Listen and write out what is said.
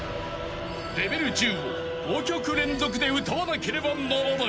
［レベル１０を５曲連続で歌わなければならない］